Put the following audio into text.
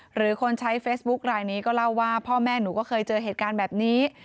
หรือคนใช้เฟซบุ๊คลายนี้ก็เล่าว่าพ่อแม่หนูก็เคยเจอเหตุการณ์แบบนี้